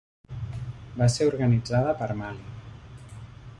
Va ser organitzada per Mali.